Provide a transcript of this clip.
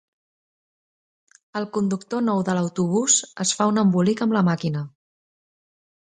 El conductor nou de l'autobús es fa un embolic amb la màquina